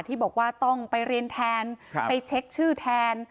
ที่บอกว่าต้องไปเรียนแทนไปเช็คชื่อแทน